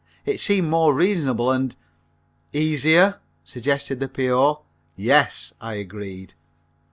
It seemed more reasonable and " "Easier," suggested the P.O. "Yes," I agreed.